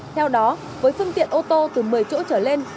theo đó với phương tiện ô tô từ một mươi chỗ trở lên